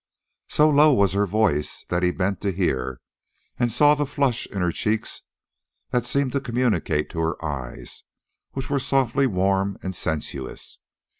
So low was her voice that he bent to hear, and saw the flush in her cheeks that seemed communicated to her eyes, which were softly warm and sensuous.